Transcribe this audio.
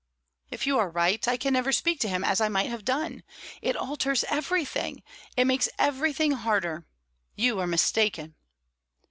"If you are right, I can never speak to him as I might have done. It alters everything; it makes everything harder. You are mistaken."